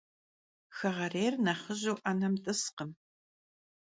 Xeğerêyr nexhıju 'enem t'ıskhım.